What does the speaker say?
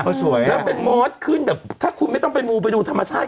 แล้วเป็นมอสขึ้นแบบถ้าคุณไม่ต้องไปมูไปดูธรรมชาติ